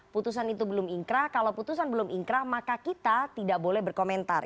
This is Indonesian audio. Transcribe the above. putusan itu belum ingkrah kalau putusan belum ingkrah maka kita tidak boleh berkomentar